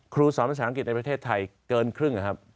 ครูสอนภาษาอังกฤษในประเทศไทยเกินครึ่งนะครับ